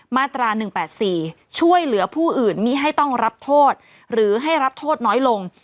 มาตรา๑๘๔ช่วยเหลือผู้อื่นมีให้ต้องรับโทษหรือให้รับโทษน้อยลง